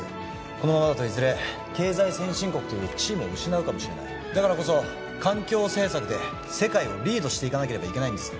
このままだといずれ経済先進国という地位も失うかもしれないだからこそ環境政策で世界をリードしていかなければいけないんです